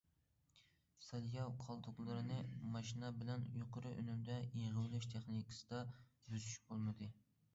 سولياۋ قالدۇقلىرىنى ماشىنا بىلەن يۇقىرى ئۈنۈمدە يىغىۋېلىش تېخنىكىسىدا بۆسۈش بولمىدى.